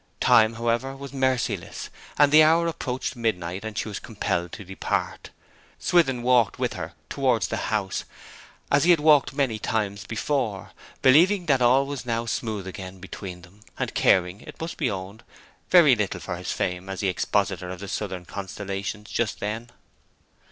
Time, however, was merciless, and the hour approached midnight, and she was compelled to depart. Swithin walked with her towards the house, as he had walked many times before, believing that all was now smooth again between them, and caring, it must be owned, very little for his fame as an expositor of the southern constellations just then.